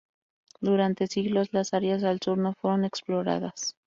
Durante siglos las áreas al Sur no fueron exploradas.